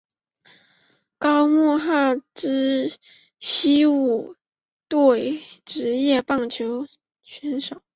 高木浩之西武队职业棒球选手。